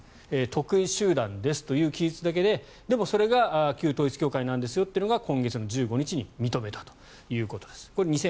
特異集団ですという記述だけででも、それが旧統一教会なんですよというのが今月の１５日に認めたということです。